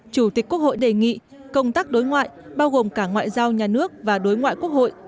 chủ tịch quốc hội đề nghị công tác đối ngoại bao gồm cả ngoại giao nhà nước và đối ngoại quốc hội